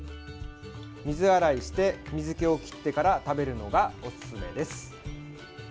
水洗いして、水けを切ってから食べるのがおすすめです。